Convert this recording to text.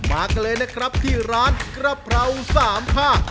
มากันเลยนะครับที่ร้านกระเพราสามภาค